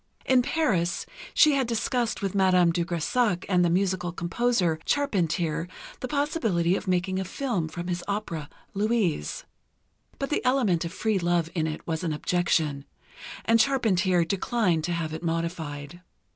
In Paris, she had discussed with Madame de Grésac and the musical composer, Charpentier, the possibility of making a film from his opera, "Louise," but the element of free love in it was an objection, and Charpentier declined to have it modified.